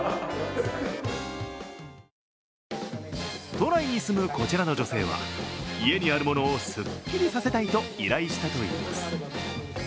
都内に住むこちらの女性は家にあるものをすっきりさせたいと依頼したといいます。